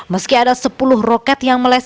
meski ada sepuluh roket yang meleset